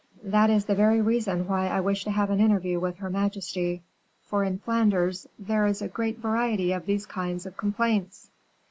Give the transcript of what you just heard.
"That is the very reason why I wish to have an interview with her majesty; for in Flanders there is a great variety of these kinds of complaints."